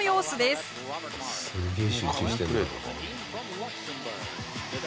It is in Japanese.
すげえ集中してるな。